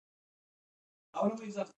افغانستان کې دښتې د خلکو د خوښې وړ ځای دی.